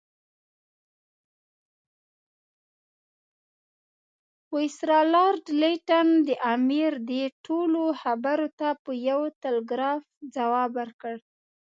وایسرا لارډ لیټن د امیر دې ټولو خبرو ته په یو ټلګراف ځواب ورکړ.